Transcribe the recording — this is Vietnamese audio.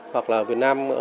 hoặc là việt nam